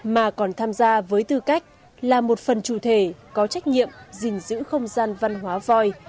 mà còn tham gia với tư cách là một phần chủ thể có trách nhiệm gìn giữ không gian văn hóa voi